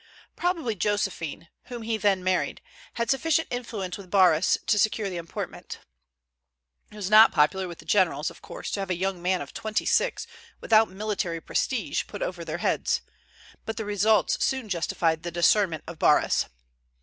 Probably Josephine, whom he then married, had sufficient influence with Barras to secure the appointment. It was not popular with the generals, of course, to have a young man of twenty six, without military prestige, put over their heads. But results soon justified the discernment of Barras.